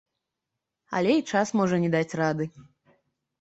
Але і час можа не даць рады.